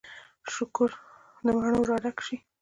شکور د مڼو را ډک شي